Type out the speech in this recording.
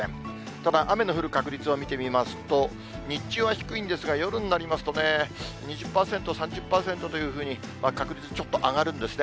ただ、雨の降る確率を見てみますと、日中は低いんですが、夜になりますとね、２０％、３０％というふうに、確率ちょっと上がるんですね。